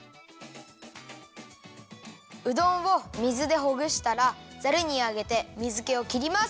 うどんを水でほぐしたらざるにあげて水けをきります！